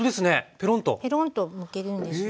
ペロンとむけるんですよ。